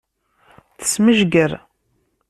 Tesmejger.